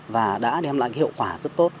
và đã đem lại hiệu quả rất tốt